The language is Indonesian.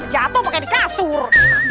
jatuh pake di kasur